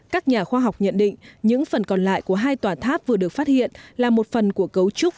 các nhà khoa học nhận định những phần còn lại của hai tòa tháp vừa được phát hiện là một phần của cấu trúc